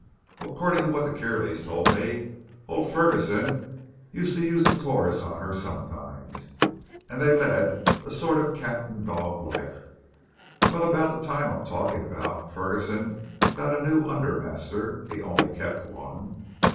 According to what the Kierleys told me, old Ferguson used to use the tawse on her sometimes, and they led a sort of cat and dog life. Well, about the time I'm talking about, Ferguson got a new undermaster; he only kept one.